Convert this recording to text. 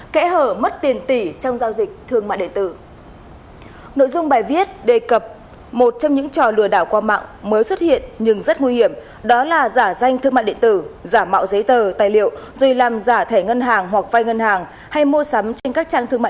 các xe này mang biện kiểm soát của tỉnh ninh thuận và tỉnh khánh hòa